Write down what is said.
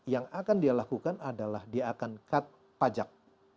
yang akan dia lakukan adalah dia akan cut pajak